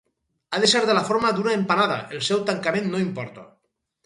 Ha de ser de la forma d'una empanada, el seu tancament no importa.